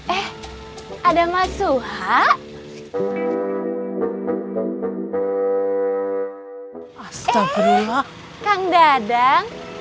eh eh ada masuha astaghfirullah kang dadang